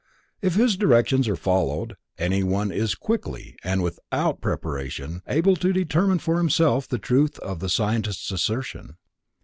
If his directions are followed, anyone is quickly and without preparation, able to demonstrate for himself the truth of the scientist's assertion.